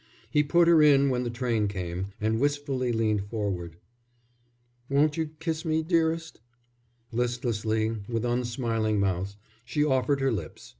He put her in when the train came, and wistfully leaned forward. "Won't you kiss me, dearest?" Listlessly, with unsmiling mouth, she offered her lips.